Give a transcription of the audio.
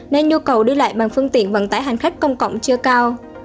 nên nhu cầu đi lại bằng phương tiện vận tải hành khách công cộng chưa cao